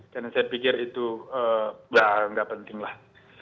karena saya pikir itu ya nggak penting lah